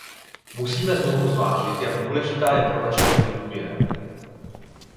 Musíme znovu zvážit, jak důležitá je pro naše trhy důvěra.